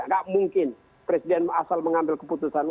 gak mungkin presiden asal mengambil keputusan